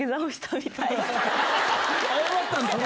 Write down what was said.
謝ったんだ。